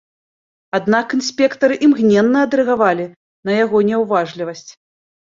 Аднак інспектары імгненна адрэагавалі на яго няўважлівасць.